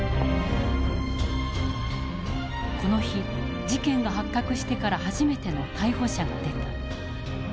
この日事件が発覚してから初めての逮捕者が出た。